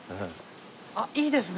あっいいですね。